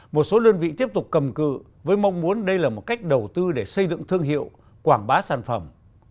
một số đơn vị tiếp tục cầm cự với mong muốn đây là một cách đầu tư để xây dựng thương hiệu quảng bá sản phẩm